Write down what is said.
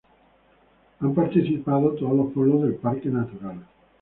han participado todos los pueblos del parque natural